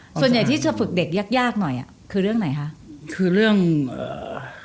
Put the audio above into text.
ส่วนใหญ่ที่จะฝึกเด็กยากยากหน่อยอ่ะคือเรื่องไหนคะคือเรื่องเอ่อ